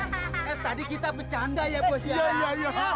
eh tadi kita bercanda ya bos ya